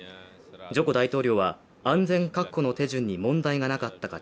ジョコ大統領は安全確保の手順に問題がなかったか